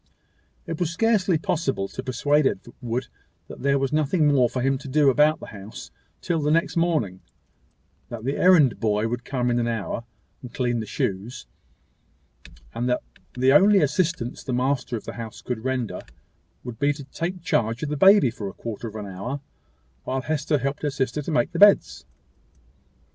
It was scarcely possible to persuade Edward that there was nothing more for him to do about the house till the next morning; that the errand boy would come in an hour, and clean the shoes; and that the only assistance the master of the house could render, would be to take charge of the baby for a quarter of an hour, while Hester helped her sister to make the beds.